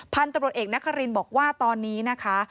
พันธุ์ตำรวจเอกนครินบอกว่าตอนนี้นะคะ